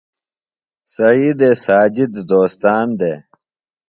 سعیدے ساجد دوستان دےۡ۔